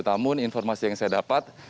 namun informasi yang saya dapat